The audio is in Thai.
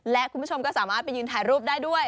และคุณผู้ชมก็สามารถไปยืนถ่ายรูปได้ด้วย